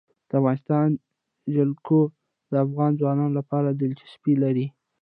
د افغانستان جلکو د افغان ځوانانو لپاره دلچسپي لري.